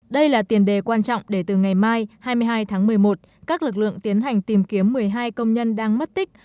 đây là tiền đề quan trọng để từ ngày mai hai mươi hai tháng một mươi một các lực lượng tiến hành tìm kiếm một mươi hai công nhân đang mất tích